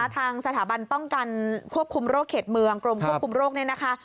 ทางสถาบันป้องกันควบคุมโรคเขตเมืองกรมควบคุมโรคเนี่ยนะคะ